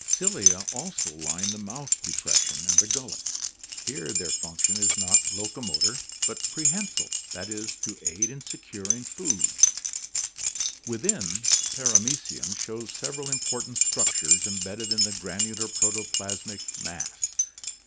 Cilia also line the mouth depression and the gullet. Here their function is not locomo tor but prehensile, that is, to aid in securing food. Within, Paramecium shows sev eral important structures embedded ... r ,.,. Fig. a.— Para mtc • urn caudalum. c. in the granular protoplasmic mass.